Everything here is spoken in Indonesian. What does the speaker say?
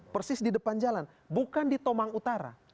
persis di depan jalan bukan di tomang utara